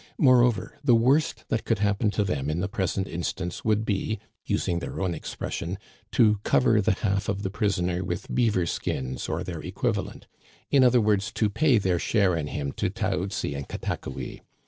Moreover, the worst that could happen to them in the present instance would be, using their own expression, to cover the half of the prisoner with beaver skins or their equivalent — ^in other words, to pay their share in him to Taoutsi and Katakoui.